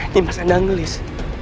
nih mas anak gelis